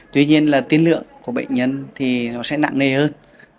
tuy nhiên là tiên lượng của bệnh nhân thì nó sẽ nặng nề hơn